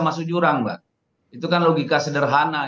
masuk jurang mbak itu kan logika sederhana